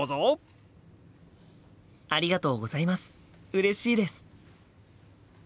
うれしいです！